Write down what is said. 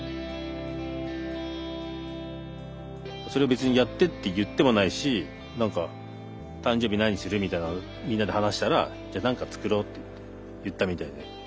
それを別に「やって」って言ってもないし何か「誕生日に何する？」みたいなみんなで話したら「じゃあ何か作ろう」って言ったみたいで。